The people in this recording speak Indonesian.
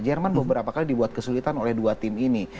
jerman beberapa kali dibuat kesulitan oleh dua tim ini